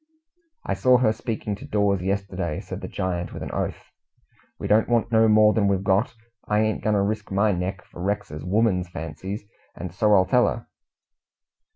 "I saw her speaking to Dawes yesterday," said the giant, with an oath. "We don't want no more than we've got. I ain't goin' to risk my neck for Rex's woman's fancies, and so I'll tell her."